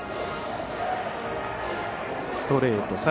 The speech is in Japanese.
ストレート